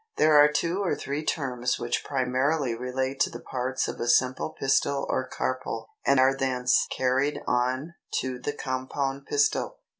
308. There are two or three terms which primarily relate to the parts of a simple pistil or carpel, and are thence carried on to the compound pistil, viz.